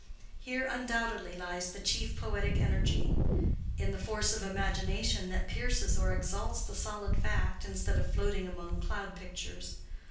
Here undoubtedly lies the chief poetic energy: in the force of imagination that pierces or exalts the solid fact, instead of floating among cloud pictures.